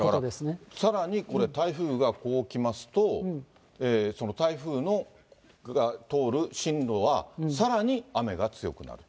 だから、さらに台風がこう来ますと、その台風の通る進路はさらに雨が強くなると。